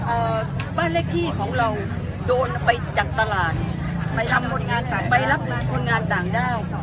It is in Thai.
เอ่อบ้านเลขที่ของเราโดนไปจากตลาดไปรับผลงานต่างด้าน